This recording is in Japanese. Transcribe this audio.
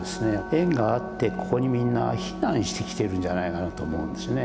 縁があってここにみんな避難してきてるんじゃないかなと思うんですよね。